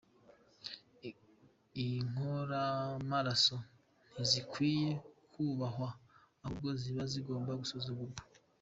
Inkoramaraso ntizikwiye kubahwa, ahubwo ziba zigomba gusuzugurwa.